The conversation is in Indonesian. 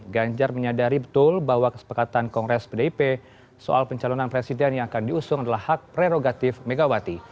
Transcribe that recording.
ganjar menyadari betul bahwa kesepakatan kongres pdip soal pencalonan presiden yang akan diusung adalah hak prerogatif megawati